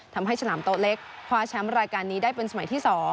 ฉลามโต๊ะเล็กคว้าแชมป์รายการนี้ได้เป็นสมัยที่๒